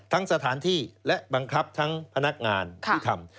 สถานที่และบังคับทั้งพนักงานที่ทำ